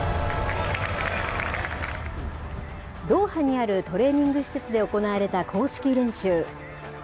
ドーハにあるトレーニング施設で行われた公式練習。